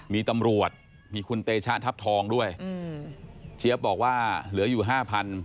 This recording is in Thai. มีตำรวจมีคุณเตชะทัพทองด้วยอืมเจี๊ยบบอกว่าเหลืออยู่ห้าพัน